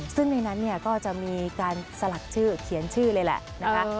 ซึ่งในนั้นเนี่ยก็จะมีการสลักชื่อเขียนชื่อเลยแหละนะคะ